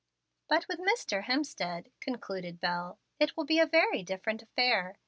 "But with Mr. Hemstead," concluded Bel, "it will be a very different affair.